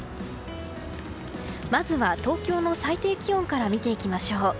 まずは、東京の最低気温から見ていきましょう。